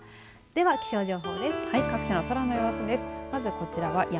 では、気象情報です。